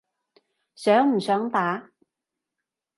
想唔想打？